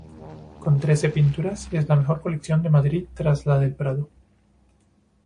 Con trece pinturas, es la mejor colección de Madrid tras la del Prado.